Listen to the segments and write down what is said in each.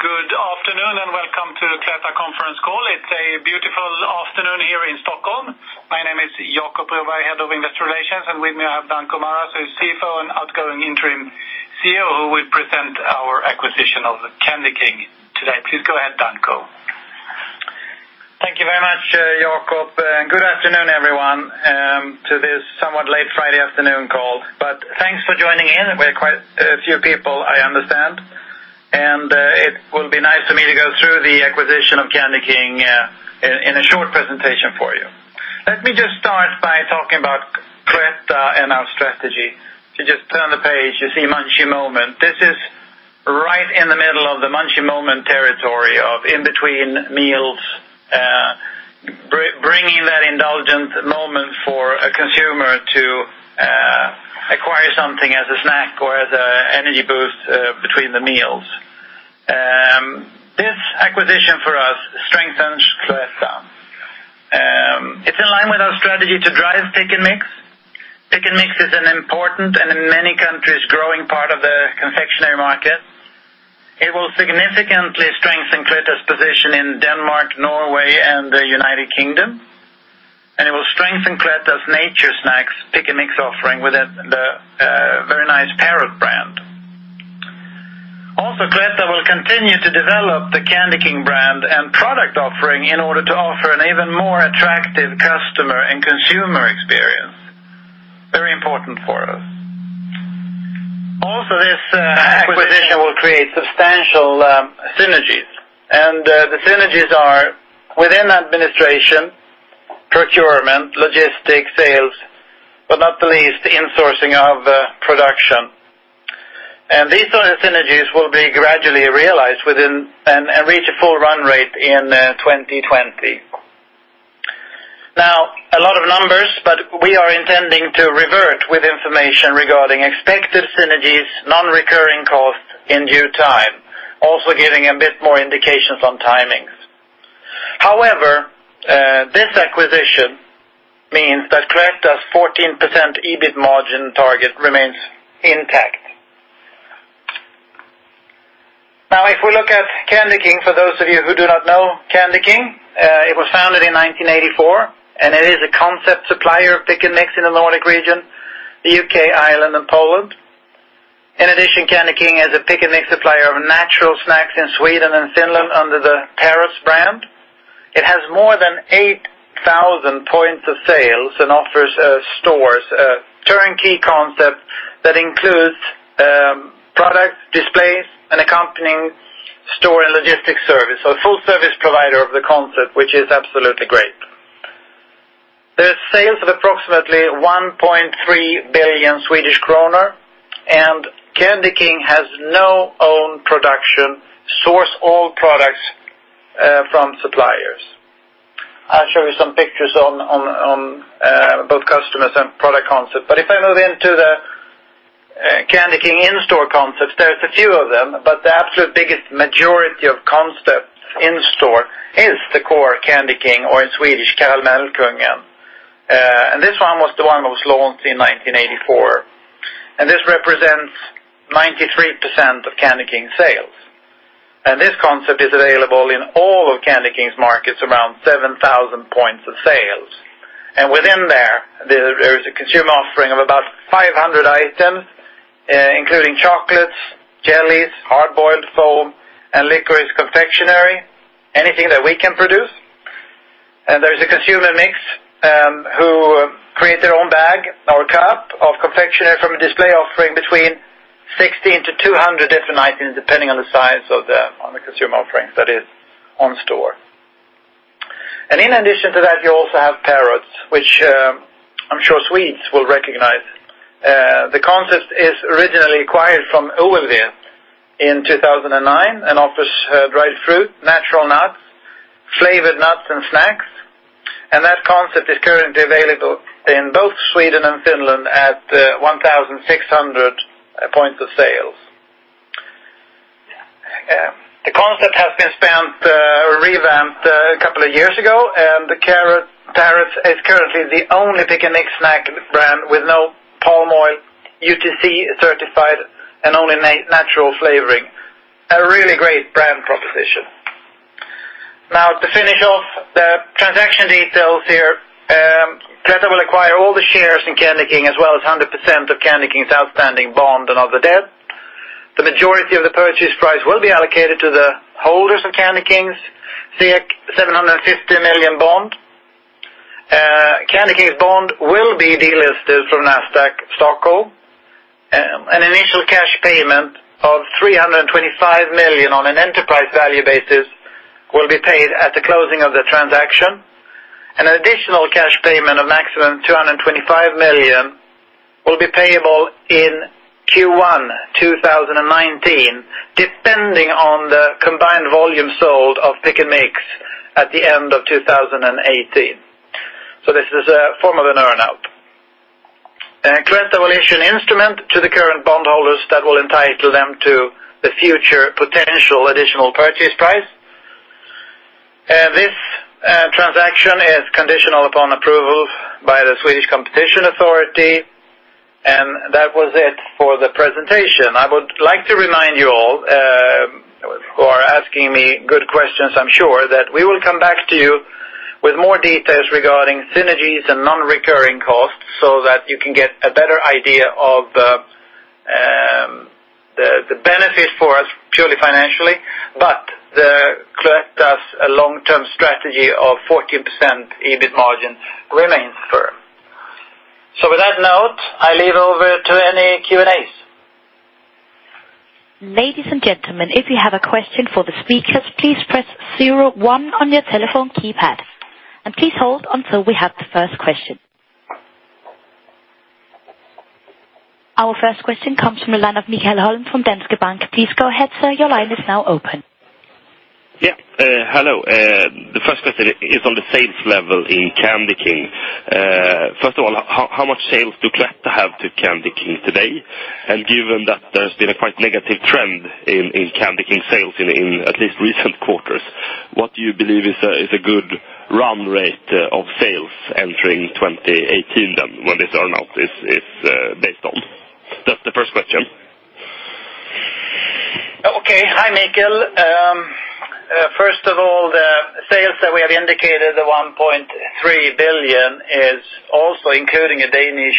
Good afternoon, and welcome to the Cloetta Conference call. It's a beautiful afternoon here in Stockholm. My name is Jacob Broberg, Head of Investor Relations, and with me, I have Danko Maras, who is CFO and outgoing interim CEO, who will present our acquisition of the Candyking today. Please go ahead, Danko. Thank you very much, Jacob, and good afternoon, everyone, to this somewhat late Friday afternoon call. But thanks for joining in. We're quite a few people, I understand, and it will be nice for me to go through the acquisition of Candyking in a short presentation for you. Let me just start by talking about Cloetta and our strategy. To just turn the page, you see Munchy moment. This is right in the middle of the Munchy moment territory of in-between meals, bringing that indulgent moment for a consumer to acquire something as a snack or as an energy boost between the meals. This acquisition for us strengthens Cloetta. It's in line with our strategy to drive pick and mix. Pick and mix is an important, and in many countries, growing part of the confectionery market. It will significantly strengthen Cloetta's position in Denmark, Norway, and the United Kingdom, and it will strengthen Cloetta's natural snacks, pick and mix offering with the very nice Parrots brand. Also, Cloetta will continue to develop the Candyking brand and product offering in order to offer an even more attractive customer and consumer experience. Very important for us. Also, this acquisition will create substantial synergies, and the synergies are within administration, procurement, logistics, sales, but not the least, the insourcing of production. And these sort of synergies will be gradually realized within and reach a full run rate in 2020. Now, a lot of numbers, but we are intending to revert with information regarding expected synergies, non-recurring costs in due time, also giving a bit more indications on timings. However, this acquisition means that Cloetta's 14% EBIT margin target remains intact. Now, if we look at Candyking, for those of you who do not know Candyking, it was founded in 1984, and it is a concept supplier of pick and mix in the Nordic region, the UK, Ireland, and Poland. In addition, Candyking is a pick and mix supplier of natural snacks in Sweden and Finland under the Parrots brand. It has more than 8,000 points of sales and offers stores a turnkey concept that includes products, displays, and accompanying store and logistics service. So a full service provider of the concept, which is absolutely great. There's sales of approximately 1.3 billion Swedish kronor, and Candyking has no own production, source all products from suppliers. I'll show you some pictures on both customers and product concept. But if I move into the Candyking in-store concepts, there's a few of them, but the absolute biggest majority of concepts in store is the core Candyking or in Swedish, Karamellkungen. This one was the one that was launched in 1984, and this represents 93% of Candyking sales. This concept is available in all of Candyking's markets, around 7,000 points of sales. Within there, there is a consumer offering of about 500 items, including chocolates, jellies, hard-boiled foam, and licorice confectionery, anything that we can produce. There's a consumer mix who create their own bag or cup of confectionery from a display offering between 16-200 different items, depending on the size of the consumer offerings that is on store. In addition to that, you also have Parrots, which I'm sure Swedes will recognize. The concept is originally acquired from Over there in 2009, and offers dried fruit, natural nuts, flavored nuts and snacks, and that concept is currently available in both Sweden and Finland at 1,600 points of sales. The concept has been revamped a couple of years ago, and the Parrots is currently the only Pick & Mix snack brand with no palm oil, UTZ Certified, and only natural flavoring. A really great brand proposition. Now, to finish off the transaction details here, Cloetta will acquire all the shares in Candyking, as well as 100% of Candyking's outstanding bond and other debt. The majority of the purchase price will be allocated to the holders of Candyking's SEK 750 million bond. Candyking's bond will be delisted from Nasdaq Stockholm. An initial cash payment of 325 million on an enterprise value basis will be paid at the closing of the transaction. An additional cash payment of maximum 225 million will be payable in Q1 2019, depending on the combined volume sold of Pick & Mix at the end of 2018. So this is a form of an earn-out. Cloetta will issue an instrument to the current bondholders that will entitle them to the future potential additional purchase price. This transaction is conditional upon approval by the Swedish Competition Authority, and that was it for the presentation. I would like to remind you all, who are asking me good questions, I'm sure, that we will come back to you with more details regarding synergies and non-recurring costs so that you can get a better idea of, the, the benefit for us purely financially, but Cloetta's long-term strategy of 14% EBIT margin remains firm. So with that note, I leave over to any Q&As. Ladies and gentlemen, if you have a question for the speakers, please press zero one on your telephone keypad. Please hold until we have the first question. Our first question comes from the line of MiKael Holm from Danske Bank. Please go ahead, sir, your line is now open. Yeah, hello. The first question is on the sales level in Candyking. First of all, how much sales do Cloetta have to Candyking today? And given that there's been a quite negative trend in Candyking sales in at least recent quarters, what do you believe is a good run rate of sales entering 2018 then, when this earn-out is based on? That's the first question. Okay. Hi, Michael. First of all, the sales that we have indicated, the 1.3 billion, is also including a Danish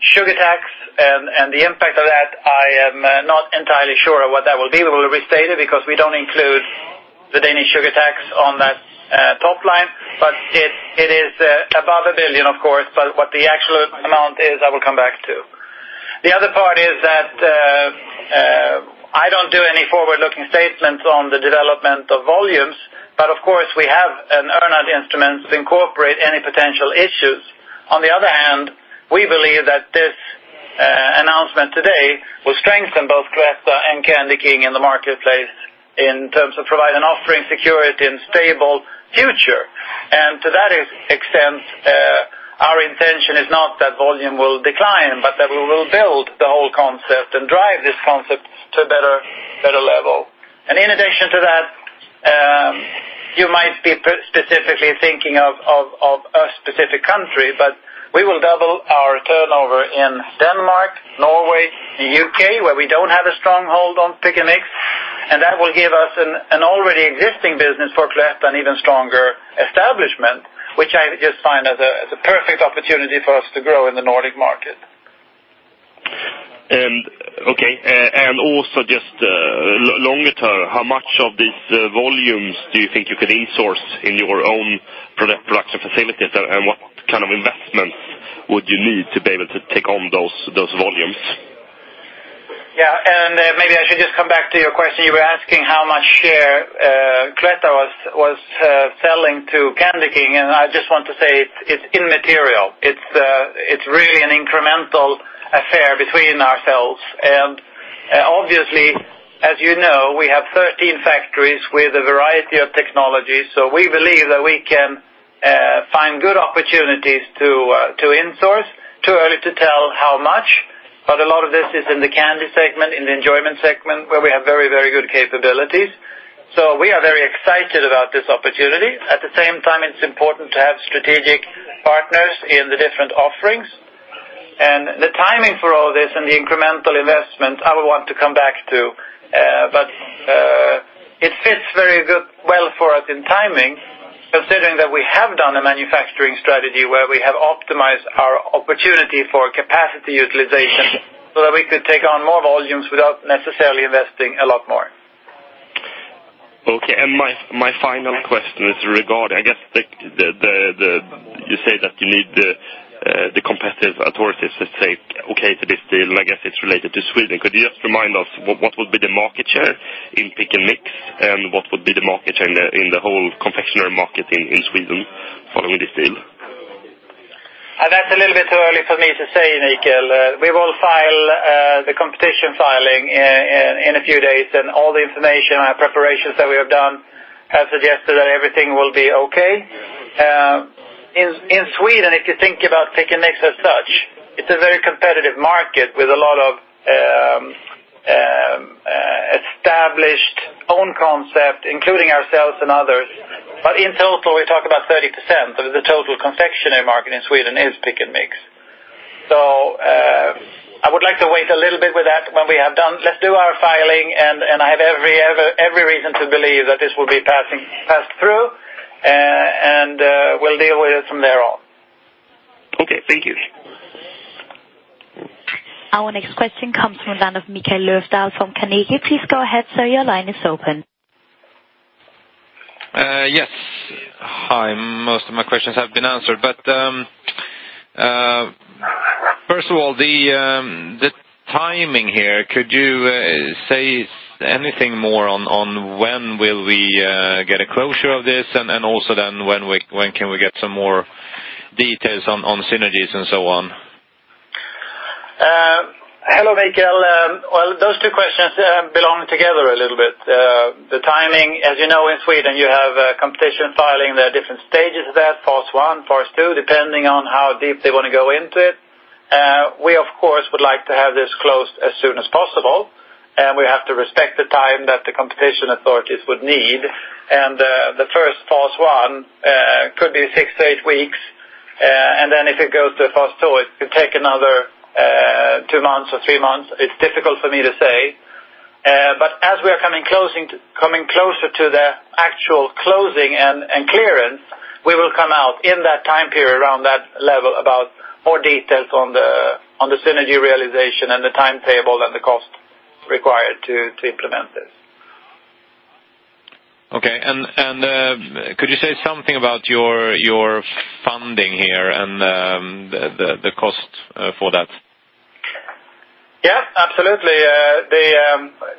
sugar tax, and the impact of that, I am not entirely sure what that will be. We will restate it because we don't include the Danish sugar tax on that top line, but it is above 1 billion, of course. But what the actual amount is, I will come back to. The other part is that I don't do any forward-looking statements on the development of volumes, but of course, we have an earn-out instrument to incorporate any potential issues. On the other hand, we believe that this announcement today will strengthen both Cloetta and Candyking in the marketplace in terms of providing, offering security and stable future. To that extent, our intention is not that volume will decline, but that we will build the whole concept and drive this concept to a better level. In addition to that, you might be specifically thinking of a specific country, but we will double our turnover in Denmark, Norway, the UK, where we don't have a stronghold on pick & mix, and that will give us an already existing business for Cloetta, an even stronger establishment, which I just find as a perfect opportunity for us to grow in the Nordic market. And okay, and also just, longer term, how much of these volumes do you think you could in-source in your own product production facilities? And what kind of investments would you need to be able to take on those, those volumes? Yeah, and maybe I should just come back to your question. You were asking how much share Cloetta was selling to Candyking, and I just want to say it's immaterial. It's really an incremental affair between ourselves. Obviously, as you know, we have 13 factories with a variety of technologies, so we believe that we can find good opportunities to in-source. Too early to tell how much, but a lot of this is in the candy segment, in the enjoyment segment, where we have very, very good capabilities. We are very excited about this opportunity. At the same time, it's important to have strategic partners in the different offerings. The timing for all this and the incremental investment, I would want to come back to, but it fits very good—well for us in timing, considering that we have done a manufacturing strategy where we have optimized our opportunity for capacity utilization so that we could take on more volumes without necessarily investing a lot more. Okay, and my final question is regarding, I guess, the... You say that you need the competitive authorities to say okay to this deal, and I guess it's related to Sweden. Could you just remind us what would be the market share in Pick & Mix, and what would be the market share in the whole confectionery market in Sweden following this deal? That's a little bit too early for me to say, Michael. We will file the competition filing in a few days, and all the information and preparations that we have done have suggested that everything will be okay. In Sweden, if you think about Pick & Mix as such, it's a very competitive market with a lot of established own concept, including ourselves and others. But in total, we talk about 30% of the total confectionery market in Sweden is Pick & Mix. So, I would like to wait a little bit with that when we have done. Let's do our filing, and I have every reason to believe that this will be passed through, and we'll deal with it from there on. Okay, thank you. Our next question comes from the line of Mikael Löfdahl from Carnegie. Please go ahead, sir, your line is open. Yes. Hi, most of my questions have been answered, but first of all, the timing here, could you say anything more on when will we get a closure of this? And also then when can we get some more details on synergies and so on? Hello, Mikael. Well, those two questions belong together a little bit. The timing, as you know, in Sweden, you have a competition filing. There are different stages of that, phase one, phase two, depending on how deep they want to go into it. We, of course, would like to have this closed as soon as possible, and we have to respect the time that the competition authorities would need. The first phase one could be 6-8 weeks, and then if it goes to phase two, it could take another 2 months or 3 months. It's difficult for me to say. But as we are coming closer to the actual closing and clearance, we will come out in that time period around that level about more details on the synergy realization and the timetable and the cost required to implement this. Okay, and could you say something about your funding here, and the cost for that? Yeah, absolutely.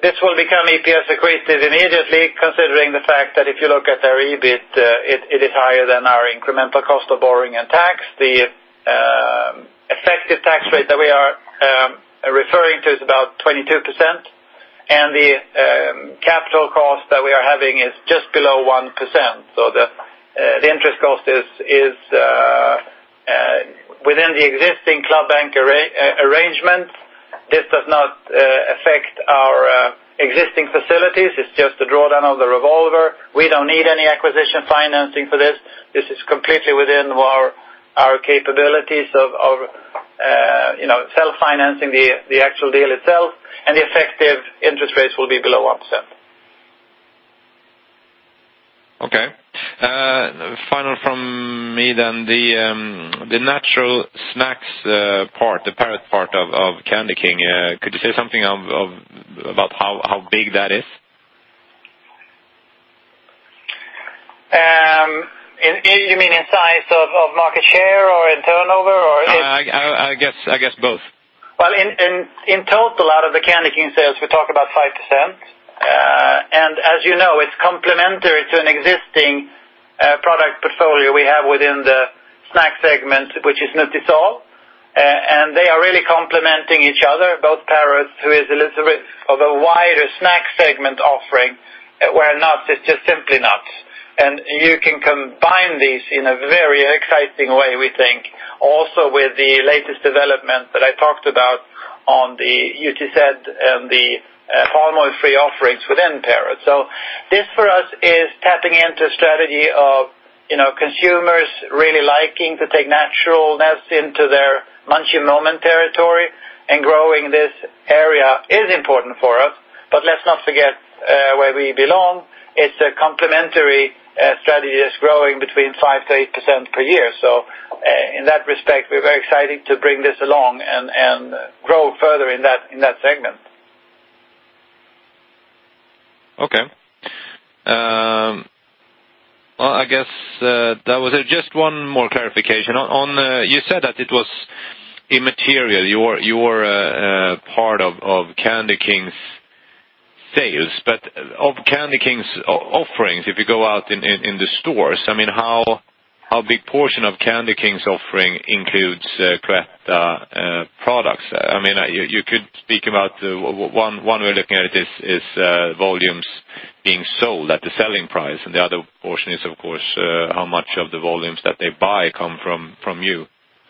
This will become EPS accretive immediately, considering the fact that if you look at our EBIT, it is higher than our incremental cost of borrowing and tax. The effective tax rate that we are referring to is about 22%, and the capital cost that we are having is just below 1%. So the interest cost is within the existing club bank arrangement. This does not affect our existing facilities. It's just a drawdown of the revolver. We don't need any acquisition financing for this. This is completely within our capabilities of you know, self-financing the actual deal itself, and the effective interest rates will be below 1%. Okay. Final from me then, the natural snacks part, the Parrots part of Candyking, could you say something about how big that is? You mean in size of market share or in turnover or in? I guess both. Well, in total, out of the Candyking sales, we talk about 5%. And as you know, it's complementary to an existing product portfolio we have within the snack segment, which is Nutisal. And they are really complementing each other, both Parrots, who is a little bit of a wider snack segment offering, where nuts is just simply nuts. And you can combine these in a very exciting way, we think, also with the latest development that I talked about on the UTZ and the palm oil-free offerings within Parrots. So this, for us, is tapping into a strategy of, you know, consumers really liking to take naturalness into their munching moment territory, and growing this area is important for us. But let's not forget where we belong. It's a complementary strategy that's growing between 5%-8% per year. So, in that respect, we're very excited to bring this along and grow further in that segment. Okay. Well, I guess that was it. Just one more clarification. On you said that it was immaterial, your part of Candyking's sales, but of Candyking's offerings, if you go out in the stores, I mean, how big portion of Candyking's offering includes Cloetta products? I mean, you could speak about one way of looking at it is volumes being sold at the selling price, and the other portion is, of course, how much of the volumes that they buy come from you.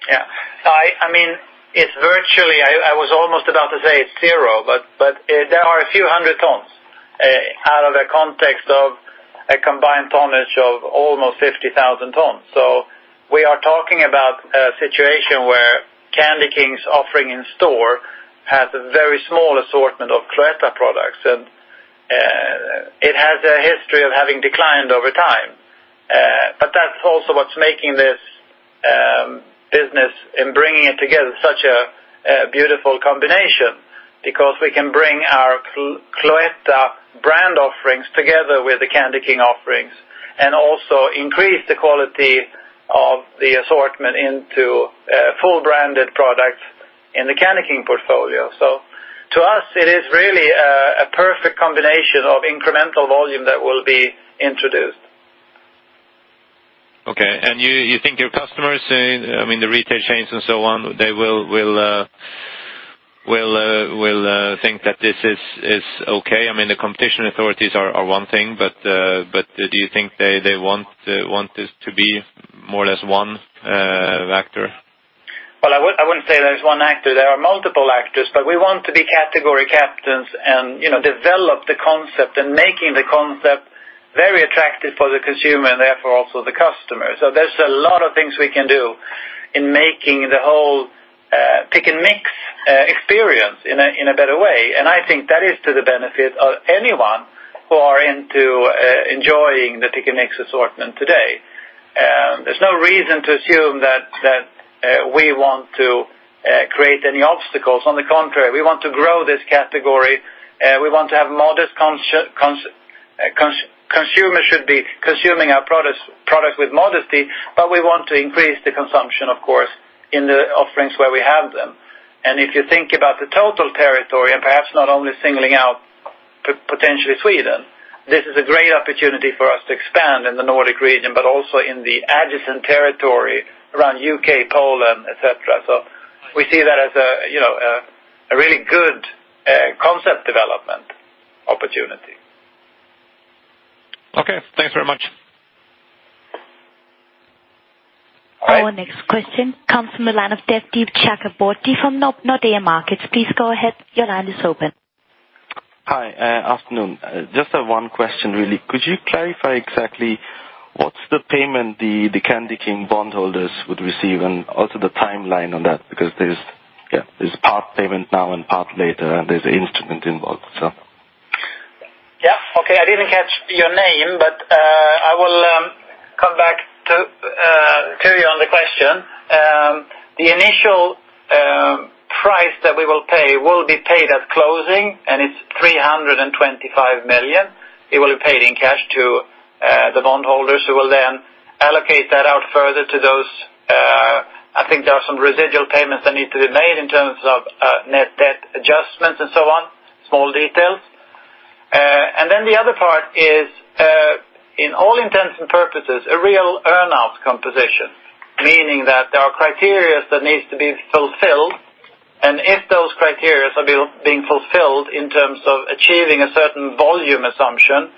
Yeah. I mean, it's virtually... I was almost about to say it's zero, but, but, there are a few hundred tons out of the context of a combined tonnage of almost 50,000 tons. So we are talking about a situation where Candyking's offering in store has a very small assortment of Cloetta products, and it has a history of having declined over time. But that's also what's making this business and bringing it together such a beautiful combination, because we can bring our Cloetta brand offerings together with the Candyking offerings, and also increase the quality of the assortment into full-branded products in the Candyking portfolio. So to us, it is really a perfect combination of incremental volume that will be introduced. Okay. And you think your customers, I mean, the retail chains and so on, they will think that this is okay? I mean, the competition authorities are one thing, but do you think they want this to be more or less one actor? Well, I would- I wouldn't say there's one actor. There are multiple actors, but we want to be category captains and, you know, develop the concept and making the concept very attractive for the consumer and therefore also the customer. So there's a lot of things we can do in making the whole Pick & Mix experience in a better way. And I think that is to the benefit of anyone who are into enjoying the Pick & Mix assortment today. There's no reason to assume that we want to create any obstacles. On the contrary, we want to grow this category. We want to have modest consumers should be consuming our product with modesty, but we want to increase the consumption, of course, in the offerings where we have them. If you think about the total territory, and perhaps not only singling out potentially Sweden, this is a great opportunity for us to expand in the Nordic region, but also in the adjacent territory around UK, Poland, et cetera. So we see that as a, you know, really good concept development opportunity. ... Thanks very much. Our next question comes from the line of Devdeep Chakraborty from Nordea Markets. Please go ahead. Your line is open. Hi, afternoon. Just one question, really. Could you clarify exactly what's the payment the Candy King bondholders would receive, and also the timeline on that? Because there's, yeah, there's part payment now and part later, and there's instrument involved, so. Yeah. Okay, I didn't catch your name, but I will come back to you on the question. The initial price that we will pay will be paid at closing, and it's 325 million. It will be paid in cash to the bondholders, who will then allocate that out further to those, I think there are some residual payments that need to be made in terms of net debt adjustments and so on, small details. And then the other part is, in all intents and purposes, a real earn-out composition, meaning that there are criteria that needs to be fulfilled, and if those criteria are being fulfilled in terms of achieving a certain volume assumption,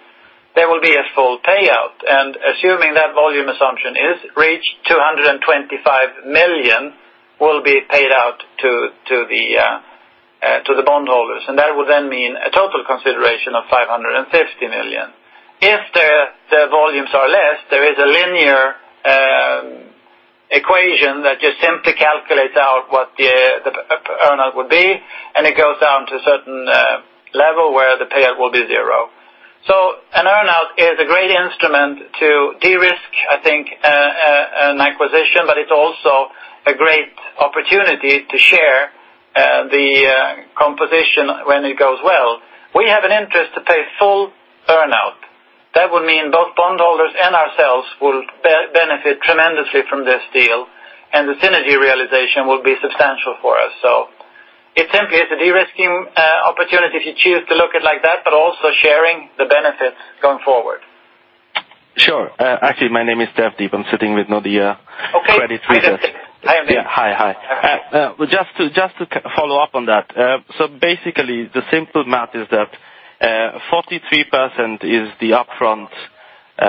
there will be a full payout. Assuming that volume assumption is reached, 225 million will be paid out to the bondholders, and that would then mean a total consideration of 550 million. If the volumes are less, there is a linear equation that just simply calculates out what the earn-out would be, and it goes down to a certain level where the payout will be zero. So an earn-out is a great instrument to de-risk, I think, an acquisition, but it's also a great opportunity to share the composition when it goes well. We have an interest to pay full earn-out. That would mean both bondholders and ourselves will benefit tremendously from this deal, and the synergy realization will be substantial for us. So it simply is a de-risking opportunity if you choose to look at it like that, but also sharing the benefits going forward. Sure. Actually, my name is Devdeep. I'm sitting with Nordea- Okay. - Credit Research. Hi, Devdeep. Yeah. Hi, hi. Hi. Just to follow up on that, so basically, the simple math is that, 43% is the upfront,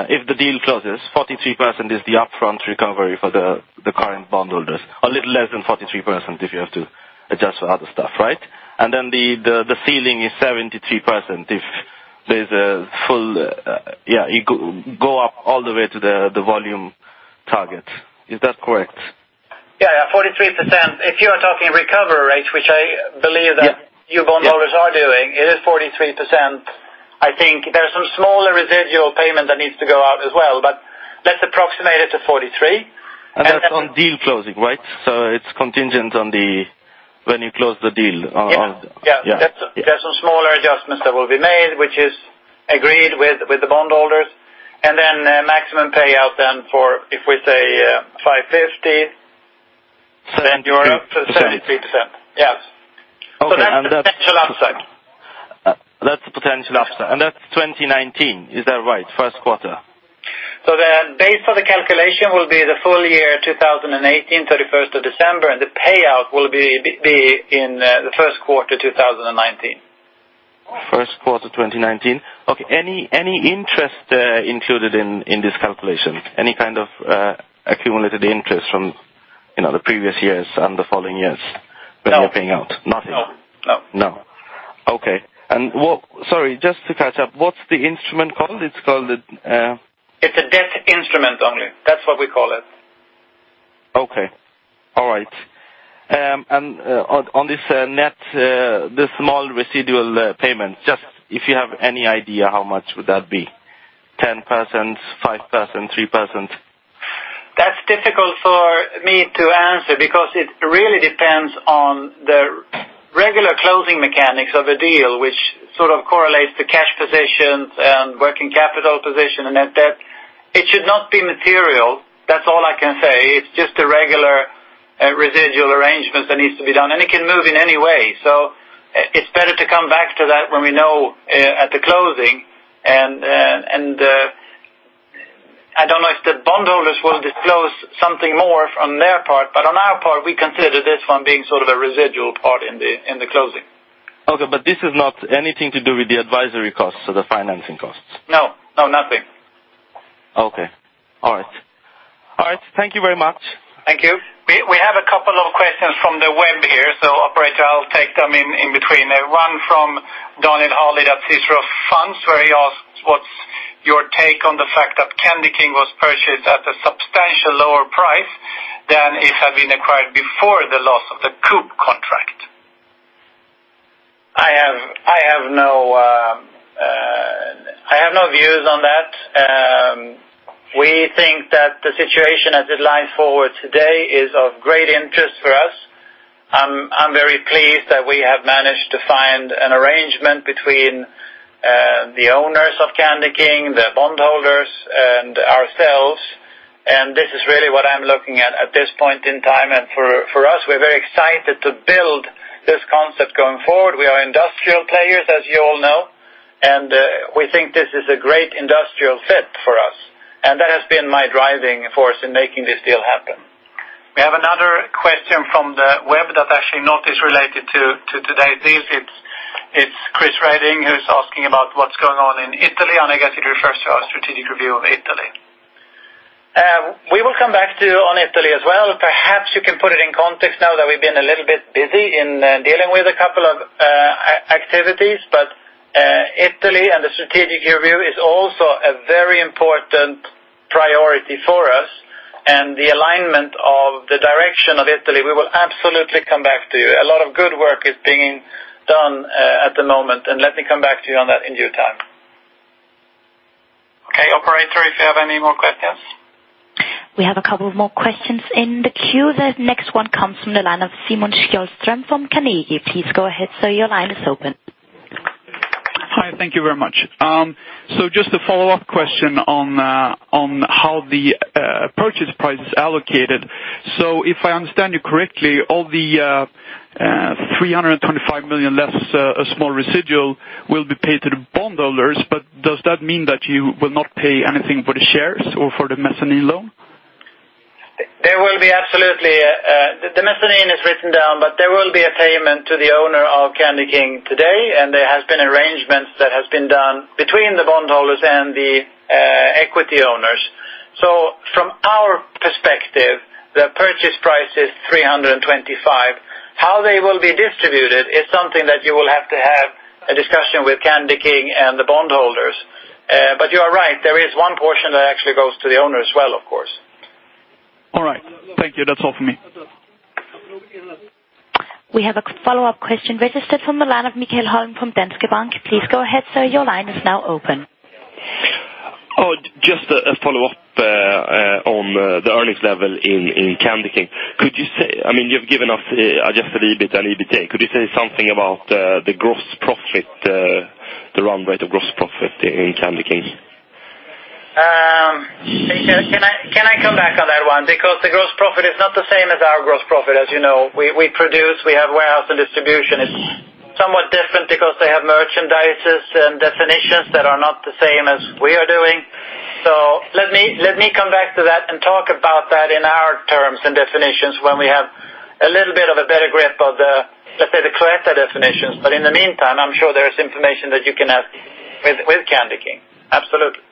if the deal closes, 43% is the upfront recovery for the current bondholders, a little less than 43%, if you have to adjust for other stuff, right? And then the ceiling is 73% if there's a full, you go up all the way to the volume target. Is that correct? Yeah, yeah, 43%. If you are talking recovery rate, which I believe that- Yeah. - you bondholders are doing, it is 43%. I think there are some smaller residual payment that needs to go out as well, but let's approximate it to 43. That's on deal closing, right? So it's contingent on the when you close the deal. Yeah. Yeah. There's some smaller adjustments that will be made, which is agreed with, with the bondholders, and then a maximum payout then for, if we say, 550, then you're up to 73%. Okay. Yeah. Okay, and that's- That's the potential upside. That's the potential upside, and that's 2019, is that right? First quarter. The base for the calculation will be the full year 2018, December 31, and the payout will be in the first quarter 2019. First quarter, 2019. Okay, any interest included in this calculation? Any kind of accumulated interest from, you know, the previous years and the following years- No. - when you're paying out? Nothing. No, no. No. Okay, and what... Sorry, just to catch up, what's the instrument called? It's called the, It's a debt instrument only. That's what we call it. Okay. All right. On this net, this small residual payment, just if you have any idea, how much would that be? 10%, 5%, 3%? That's difficult for me to answer because it really depends on the regular closing mechanics of the deal, which sort of correlates to cash positions and working capital position and net debt. It should not be material. That's all I can say. It's just a regular, residual arrangement that needs to be done, and it can move in any way. So it's better to come back to that when we know at the closing. And I don't know if the bondholders will disclose something more on their part, but on our part, we consider this one being sort of a residual part in the closing. Okay, but this is not anything to do with the advisory costs or the financing costs? No. No, nothing. Okay. All right. All right, thank you very much. Thank you. We have a couple of questions from the web here, so operator, I'll take them in between. One from Daniel Harlid at Cicero Fonder, where he asks: What's your take on the fact that Candyking was purchased at a substantial lower price than it had been acquired before the loss of the Coop contract? I have no views on that. We think that the situation as it lies forward today is of great interest for us. I'm very pleased that we have managed to find an arrangement between the owners of Candy King, the bondholders, and ourselves, and this is really what I'm looking at, at this point in time. And for us, we're very excited to build this concept going forward. We are industrial players, as you all know, and we think this is a great industrial fit for us, and that has been my driving force in making this deal happen.... We have another question from the web that actually is not related to today's deal. It's Chris Redding, who's asking about what's going on in Italy, and I guess it refers to our strategic review of Italy. We will come back to you on Italy as well. Perhaps you can put it in context now that we've been a little bit busy in dealing with a couple of activities. But, Italy and the strategic review is also a very important priority for us, and the alignment of the direction of Italy, we will absolutely come back to you. A lot of good work is being done, at the moment, and let me come back to you on that in due time. Okay, operator, if you have any more questions? We have a couple of more questions in the queue. The next one comes from the line of Simon Sjöström from Carnegie. Please go ahead, sir, your line is open. Hi, thank you very much. So just a follow-up question on how the purchase price is allocated. So if I understand you correctly, all the 325 million, less a small residual, will be paid to the bondholders, but does that mean that you will not pay anything for the shares or for the mezzanine loan? There will be absolutely. The mezzanine is written down, but there will be a payment to the owner of Candyking today, and there has been arrangements that have been done between the bondholders and the equity owners. So from our perspective, the purchase price is 325. How they will be distributed is something that you will have to have a discussion with Candyking and the bondholders. But you are right, there is one portion that actually goes to the owner as well, of course. All right. Thank you. That's all for me. We have a follow-up question registered from the line of Mikael Holm from Danske Bank. Please go ahead, sir, your line is now open. Oh, just a follow-up on the earnings level in Candyking. Could you say—I mean, you've given us just a little bit on EBITDA. Could you say something about the gross profit, the run rate of gross profit in Candyking? Can I come back on that one? Because the gross profit is not the same as our gross profit. As you know, we produce, we have warehouse and distribution. It's somewhat different because they have merchandises and definitions that are not the same as we are doing. So let me come back to that and talk about that in our terms and definitions when we have a little bit of a better grip of the, let's say, the Cloetta definitions. But in the meantime, I'm sure there is information that you can have with Candyking. Absolutely.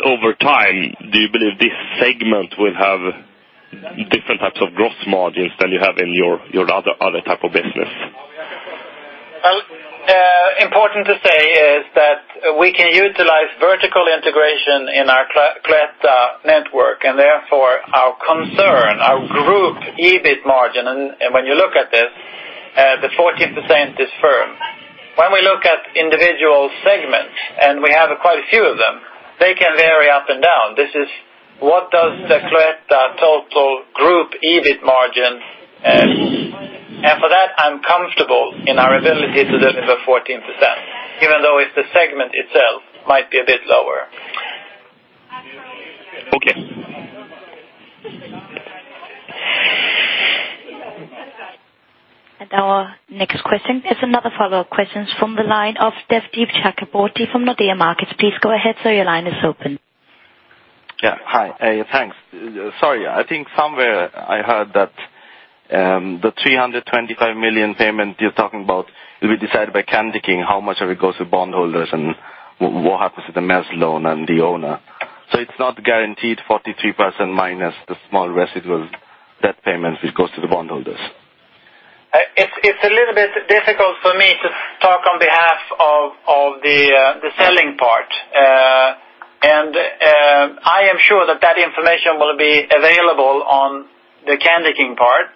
Over time, do you believe this segment will have different types of gross margins than you have in your other type of business? Well, important to say is that we can utilize vertical integration in our Cloetta network, and therefore, our current group EBIT margin, and when you look at this, the 14% is firm. When we look at individual segments, and we have quite a few of them, they can vary up and down. This is what drives the Cloetta total group EBIT margin. And for that, I'm comfortable in our ability to deliver 14%, even though if the segment itself might be a bit lower. Okay. Our next question is another follow-up question from the line of Devdeep Chakraborty from Nordea Markets. Please go ahead, sir, your line is open. Yeah, hi. Thanks. Sorry, I think somewhere I heard that the 325 million payment you're talking about, it will be decided by Candyking, how much of it goes to bondholders and what happens to the mezz loan and the owner. So it's not guaranteed 43% minus the small residual debt payments, which goes to the bondholders? It's a little bit difficult for me to talk on behalf of the selling part. And I am sure that information will be available on the Candyking part,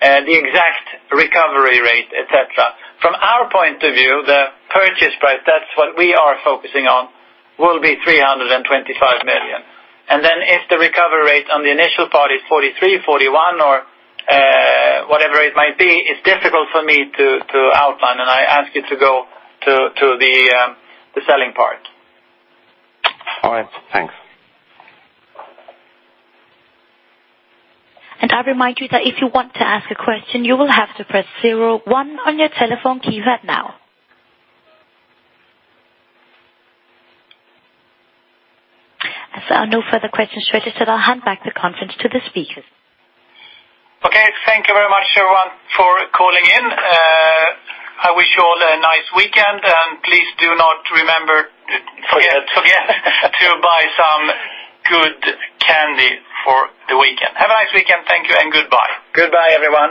the exact recovery rate, et cetera. From our point of view, the purchase price, that's what we are focusing on, will be 325 million. And then if the recovery rate on the initial part is 43, 41, or whatever it might be, it's difficult for me to outline, and I ask you to go to the selling part. All right. Thanks. I remind you that if you want to ask a question, you will have to press zero one on your telephone keypad now. As there are no further questions registered, I'll hand back the conference to the speakers. Okay, thank you very much, everyone, for calling in. I wish you all a nice weekend, and please do not remember- Forget. forget to buy some good candy for the weekend. Have a nice weekend. Thank you and goodbye. Goodbye, everyone.